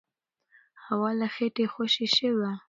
هوا له خېټې خوشې شوه.